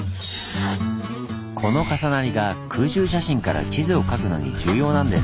この重なりが空中写真から地図を描くのに重要なんです。